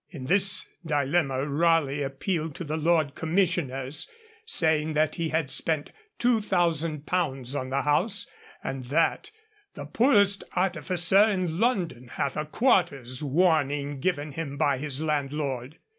In this dilemma Raleigh appealed to the Lords Commissioners, saying that he had spent 2,000_l._ on the house, and that 'the poorest artificer in London hath a quarter's warning given him by his landlord.'